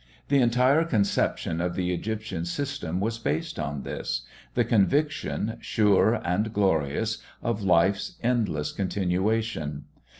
The entire conception of the Egyptian system was based on this the conviction, sure and glorious, of life's endless continuation.